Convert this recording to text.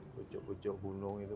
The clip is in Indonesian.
kucuk kucuk gunung itu